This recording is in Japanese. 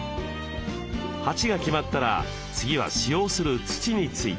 鉢が決まったら次は使用する土について。